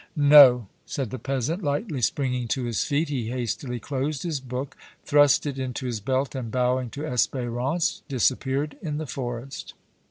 "No," said the peasant, lightly springing to his feet. He hastily closed his book, thrust it into his belt, and, bowing to Espérance, disappeared in the forest.